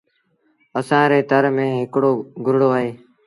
اَسآݩ ري تر ميݩ هڪڙو گرڙو اهي۔